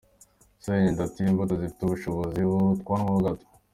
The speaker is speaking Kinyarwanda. Sendege ati “Imbuto zifite ubushobozi burutanwaho gato.